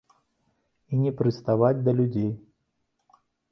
І не прыставаць да людзей.